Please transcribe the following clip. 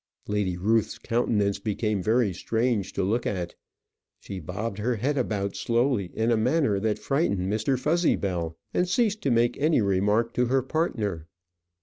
Lady Ruth's countenance became very strange to look at. She bobbed her head about slowly in a manner that frightened Mr. Fuzzybell, and ceased to make any remark to her partner.